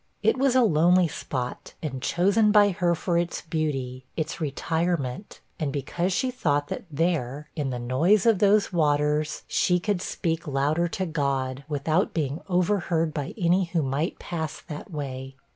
It was a lonely spot, and chosen by her for its beauty, its retirement, and because she thought that there, in the noise of those waters, she could speak louder to God, without being overheard by any who might pass that way.